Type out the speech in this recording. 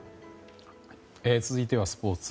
続いてはスポーツ。